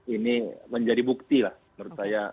ini menjadi bukti lah menurut saya